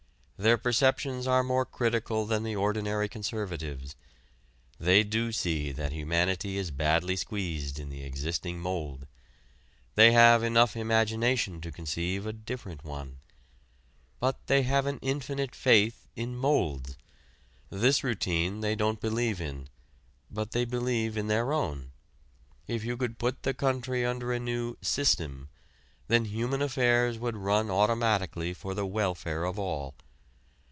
Their perceptions are more critical than the ordinary conservatives'. They do see that humanity is badly squeezed in the existing mould. They have enough imagination to conceive a different one. But they have an infinite faith in moulds. This routine they don't believe in, but they believe in their own: if you could put the country under a new "system," then human affairs would run automatically for the welfare of all.